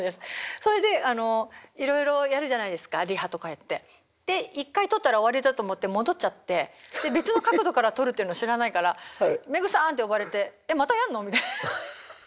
それでいろいろやるじゃないですかリハとかやってで１回撮ったら終わりだと思って戻っちゃって別の角度から撮るっていうの知らないからめぐさん！って呼ばれて「え？またやんの？」みたいな。